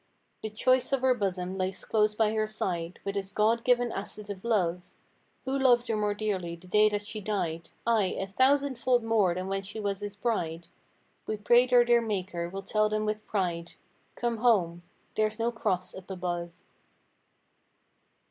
The choice of her bosom lies close by her side. With his God given asset of love; Who loved her more dearly the day that she died. Aye, a thousand fold more than when she was his bride. We pray their dear Maker will tell them with pride: "Come home—there's no crosst up above."